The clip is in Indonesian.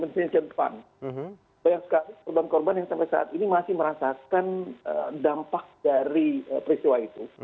banyak sekali korban korban yang sampai saat ini masih merasakan dampak dari peristiwa itu